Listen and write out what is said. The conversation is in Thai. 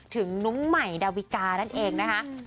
ถึงน้องใหม่ดาวิกานั่นเองนะคะ